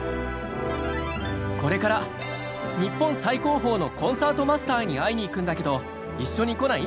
これから日本最高峰のコンサートマスターに会いに行くんだけど一緒に来ない？